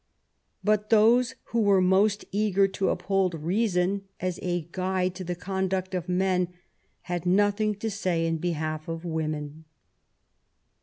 But those who were most eager to uphold reason as a guide to the conduct of men, had nothing to say in behaU of women.